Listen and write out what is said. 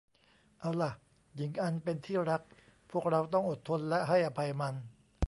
เอาล่ะ หญิงอันเป็นที่รัก พวกเราต้องอดทนและให้อภัยมัน